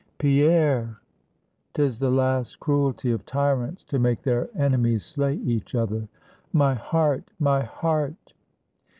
"Pierre!" "'Tis the last cruelty of tyrants to make their enemies slay each other." "My heart! my heart!"